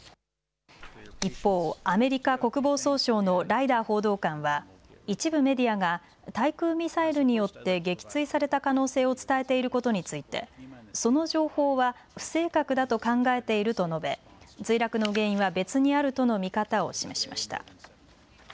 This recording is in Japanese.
一方、アメリカ国防総省のライダー報道官は一部メディアが対空ミサイルによって撃墜された可能性を伝えていることについてその情報は不正確だと考えていると述べ墜落の原因は別にあるとの見方を示しました。